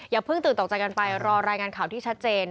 อย่าเพิ่งตื่นตกใจกันไปรอรายงานข่าวที่ชัดเจน